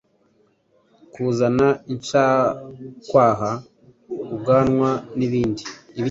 kuzana, incakwaha, ubwanwa n’ibindi